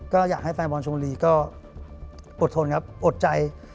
ก็อยากให้แฟนบอลชมบุรีก็อดทนครับอดใจ